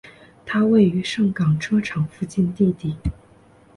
它位于盛港车厂附近地底。